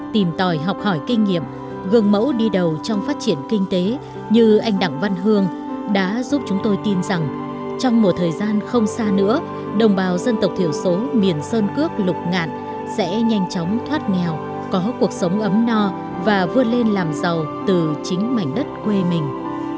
tìm tòi học hỏi kinh nghiệm gương mẫu đi đầu trong phát triển kinh tế như anh đặng văn hương đã giúp chúng tôi tin rằng trong một thời gian không xa nữa đồng bào dân tộc thiểu số miền sơn cước lục ngạn sẽ nhanh chóng thoát nghèo có cuộc sống ấm no và vươn lên làm giàu từ chính mảnh đất quê mình